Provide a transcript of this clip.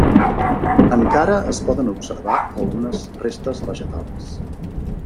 Encara es poden observar algunes restes vegetals.